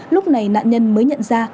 lúc này nạn nhân mới nhận ra